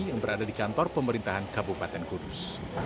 yang berada di kantor pemerintahan kabupaten kudus